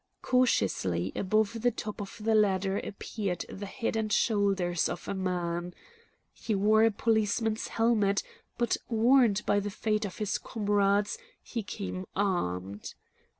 Cautiously above the top of the ladder appeared the head and shoulders of a man. He wore a policeman's helmet, but, warned by the fate of his comrades, he came armed.